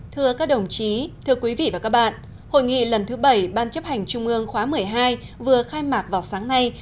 thưa các đồng chí thưa quý vị và các bạn hội nghị lần thứ bảy ban chấp hành trung ương khóa một mươi hai vừa khai mạc vào sáng nay